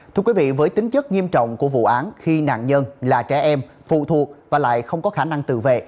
thưa quý vị với tính chất nghiêm trọng của vụ án khi nạn nhân là trẻ em phụ thuộc và lại không có khả năng tự vệ